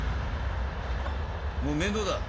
もう面倒だ。